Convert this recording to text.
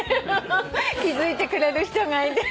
気付いてくれる人がいて。